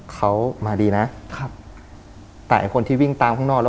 เขามาดีนะแต่คนที่วิ่งตามข้างนอก